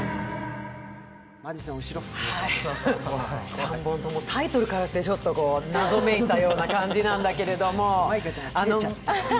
３本ともタイトルからして謎めいた感じなんだけれども。